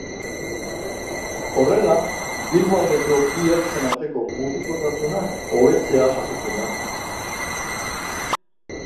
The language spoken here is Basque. Horrela, Bilboaldeko bi ertzen arteko mugikortasuna hobetzea jasotzen da.